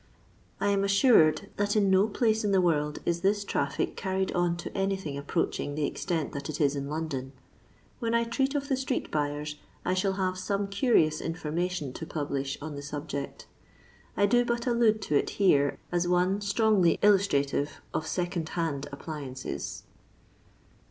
I am assured that in no place in the world is this traffic carried on to anything approaching the extent that it is in Londitn. When I treat of the street* buyers I shall have some curious information to publish on the subject. I do but allude to it here as one strongly illustrative of "second hand" appliances.